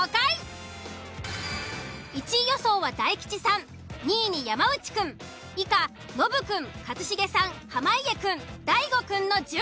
１位予想は大吉さん２位に山内くん以下ノブくん一茂さん濱家くん大悟くんの順。